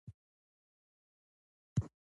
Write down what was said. افغانستان کې د غرونه د پرمختګ هڅې روانې دي.